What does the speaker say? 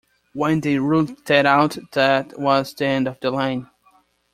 When they ruled that out, that was the end of the line.